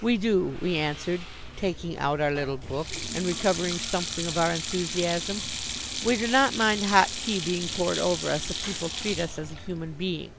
"We do," we answered, taking out our little book and recovering something of our enthusiasm. We do not mind hot tea being poured over us if people treat us as a human being.